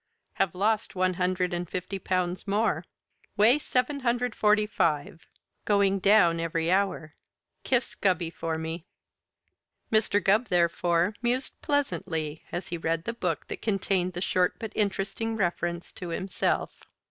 Have lost one hundred and fifty pounds more. Weigh seven hundred forty five. Going down every hour. Kiss Gubby for me. Mr. Gubb, therefore, mused pleasantly as he read the book that contained the short but interesting reference to himself.